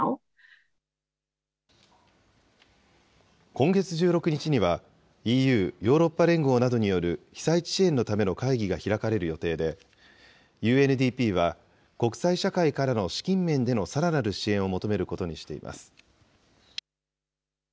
今月１６日には、ＥＵ・ヨーロッパ連合などによる被災地支援のための会議が開かれる予定で、ＵＮＤＰは、国際社会からの資金面でのさらなる支援を求めることにしています。